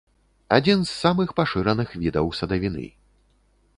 Адзін з самых пашыраных відаў садавіны.